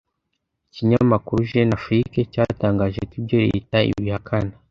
Ikinyamakuru jeune afrique cyatangaje ko ibyo Leta ibihakana